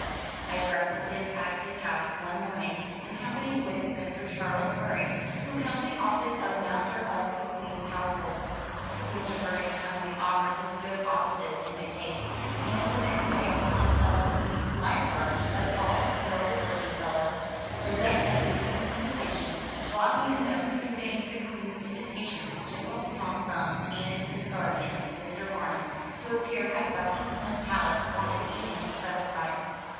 I breakfasted at his house one morning in com pany with Mr. Charles Murray, who held the office of Master of the Queen*s Household. Mr. Murray kindly offered his good offices in the case, and the next day one of the Queen's Life Guards, a tall, noble looking fellow, bedecked as became his station, brought me a note, conveying the Queen's invitation to General Tom Thumb and his guardian, Mr. Barnum, to appear at Buckingham Palace on an evening specified.